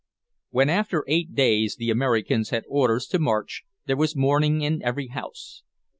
When, after eight days, the Americans had orders to march, there was mourning in every house.